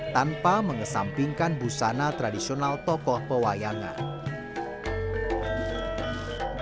tanpa mengesampingkan busana tradisional tokoh pewayangan